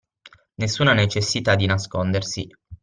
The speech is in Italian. Nessuna necessità di nascondersi.